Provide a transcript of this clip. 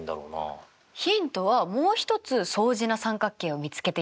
ヒントはもう一つ相似な三角形を見つけてみてください。